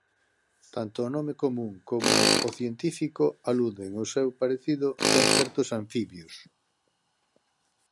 Tanto o nome común como o científico aluden ó seu parecido con certos anfibios.